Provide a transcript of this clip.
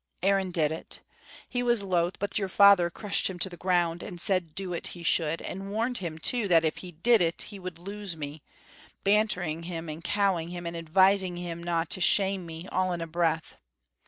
"Aaron did it. He was loath, but your father crushed him to the ground, and said do it he should, and warned him too that if he did it he would lose me, bantering him and cowing him and advising him no' to shame me, all in a breath.